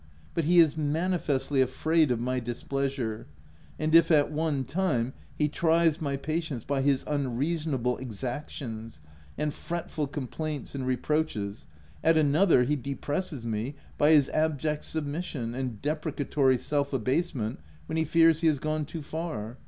But he is manifestly afraid of my displeasure ; and if at one time he tries my patience by his unreasonable exactions, and fretful complaints and reproaches, at another, he depresses me by his abject submission and deprecatory self abasement when he fears he has gone too far.